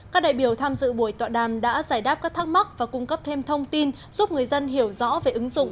các đại biểu tham dự buổi tọa đàm đã giải đáp các thắc mắc và cung cấp thêm thông tin giúp người dân hiểu rõ về ứng dụng